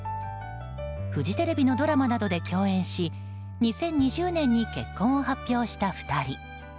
フジテレビのドラマなどで共演し２０２０年に結婚を発表した２人。